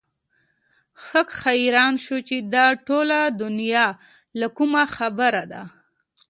هک حيران شو چې دا ټوله دنيا له کومه خبره ده.